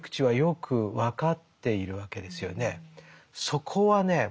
そこはね